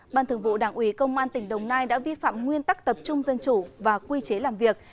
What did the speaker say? ban thường vụ đảng ủy công an tỉnh đồng nai đã vi phạm nguyên tắc tập trung dân chủ và quy chế làm việc